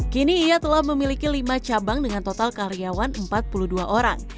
kini ia telah memiliki lima cabang dengan total karyawan empat puluh dua orang